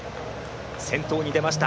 先頭に出ました。